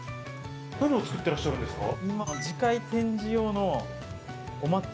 何を作ってらっしゃるんですか？